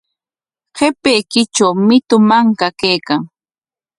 Qapaykitrawmi mitu manka kaykan.